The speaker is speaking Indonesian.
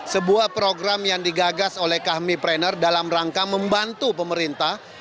sebuah program yang digagas oleh kami prener dalam rangka membantu pemerintah